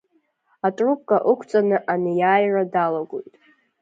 Атрубка ықәҵаны анеиааира далагоит.